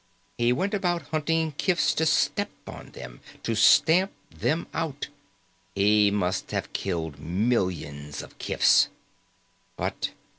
He went about hunting kifs, to step on them. To stamp them out. He must have killed millions of kifs.